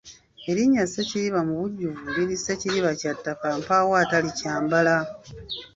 Erinnya Ssekiriba mubujjuvu liri Ssekiriba kya ttaka mpaawo atalikyambala.